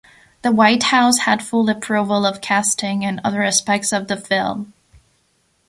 The White House had full approval of casting and other aspects of the film.